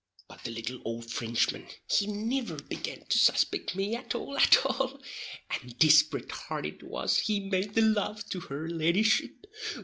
But the little ould Frinchman he niver beginned to suspict me at all at all, and disperate hard it was he made the love to her leddyship.